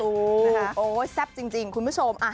ถูกนะฮะโอ๊ยแซ่บจริงคุณผู้ชม